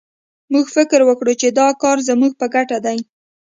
موږ فکر وکړ چې دا کار زموږ په ګټه دی